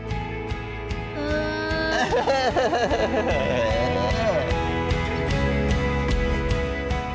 อืม